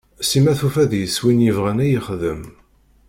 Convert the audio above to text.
Sima tufa deg-s win yebɣan a yexdem.